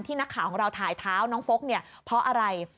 นักข่าวของเราถ่ายเท้าน้องฟกเนี่ยเพราะอะไร